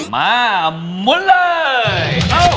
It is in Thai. มาหมุนเลย